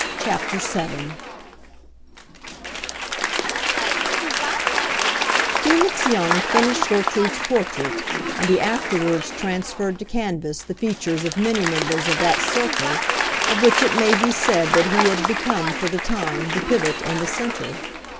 CHAPTER VII Felix Young finished Gertrude's portrait, and he afterwards transferred to canvas the features of many members of that circle of which it may be said that he had become for the time the pivot and the centre.